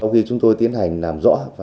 khi chúng tôi tiến hành làm rõ